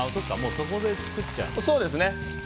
そこで作っちゃうんだ。